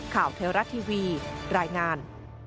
เทวรัฐทีวีรายงาน